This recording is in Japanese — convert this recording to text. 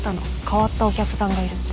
変わったお客さんがいるって。